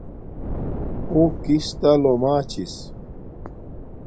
اُو کس تا لوما چھس